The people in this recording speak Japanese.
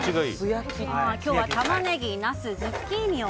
今日はタマネギ、ナスズッキーニを